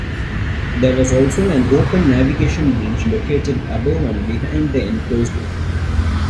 There was also an open navigation bridge located above and behind the enclosed one.